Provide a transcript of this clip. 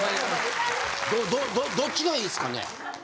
どっちがいいすかね？